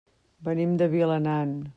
Venim de Vilanant.